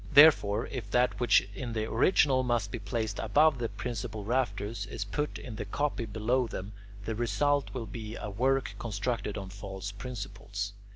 Therefore, if that which in the original must be placed above the principal rafters, is put in the copy below them, the result will be a work constructed on false principles.